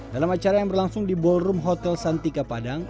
dalam acara yang berlangsung di ballroom hotel santika padang